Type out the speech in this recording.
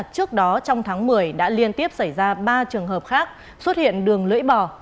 trước đó trong tháng một mươi đã liên tiếp xảy ra ba trường hợp khác xuất hiện đường lưỡi bò